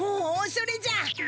おおそれじゃ！